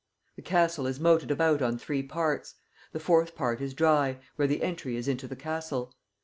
The castle is moted about on three parts; the fourth part is dry, where the entry is into the castle.